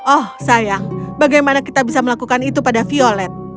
oh sayang bagaimana kita bisa melakukan itu pada violet